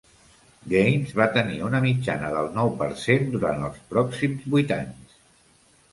Gains va tenir una mitjana del nou per cent durant els pròxims vuit anys.